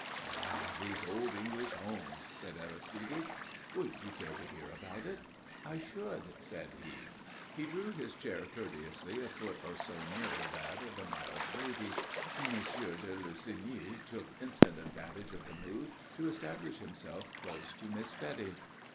"Ah, these old English homes!" said Aristide. "Would you care to hear about it?" "I should," said he. He drew his chair courteously a foot or so nearer that of the mild lady; Monsieur de Lussigny took instant advantage of the move to establish himself close to Miss Betty.